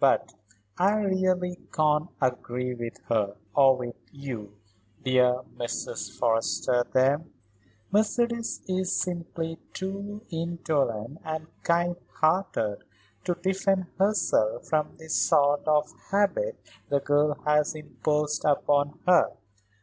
But I really can't agree with her, or with you, dear Mrs. Forrester, there. Mercedes is simply too indolent and kind hearted to defend herself from the sort of habit the girl has imposed upon her.